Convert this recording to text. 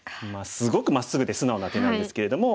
すごくまっすぐで素直な手なんですけれども。